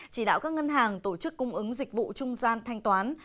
chỉ đạo các ngân hàng tổ chức cung ứng dịch vụ trung gian thanh toán